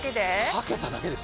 かけただけです。